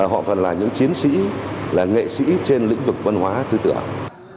họ còn là những chiến sĩ là nghệ sĩ trên lĩnh vực văn hóa tư tưởng